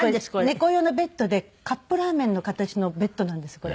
猫用のベッドでカップラーメンの形のベッドなんですこれ。